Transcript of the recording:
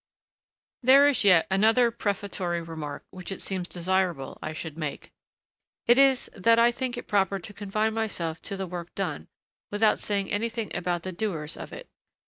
There is yet another prefatory remark which it seems desirable I should make. It is that I think it proper to confine myself to the work done, without saying anything about the doers of it.